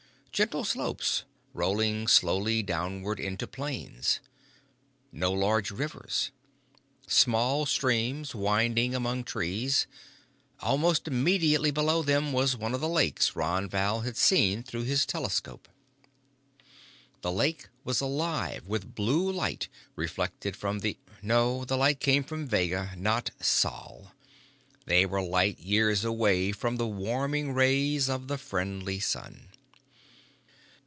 Gentle slopes rolling slowly downward into plains. No large rivers. Small streams winding among trees. Almost immediately below them was one of the lakes Ron Val had seen through his telescope. The lake was alive with blue light reflected from the No, the light came from Vega, not Sol. They were light years away from the warming rays of the friendly sun.